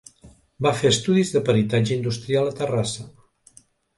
Va fer estudis de peritatge industrial a Terrassa.